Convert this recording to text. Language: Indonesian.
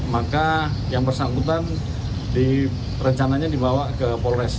maka yang bersangkutan rencananya dibawa ke polres